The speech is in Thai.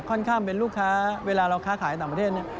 ค่อนข้างเป็นลูกค้าเวลาเราค้าขายต่างประเทศเนี่ย